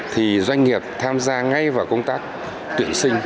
thì doanh nghiệp tham gia ngay vào công tác tuyển sinh